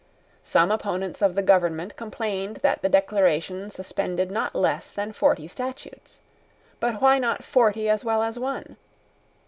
Some opponents of the government complained that the Declaration suspended not less than forty statutes. But why not forty as well as one?